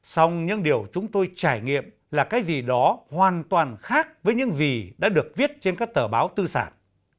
xong những điều chúng tôi trải nghiệm là cái gì đó hoàn toàn khác với những gì đã được viết trên các tờ báo tư sản